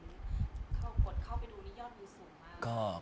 เขากดเข้าไปดูนิยามันรู้สึกมาก